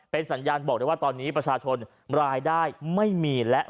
เป็นสัญญาณบอกได้ว่าตอนนี้ประชาชนรายได้ไม่มีและ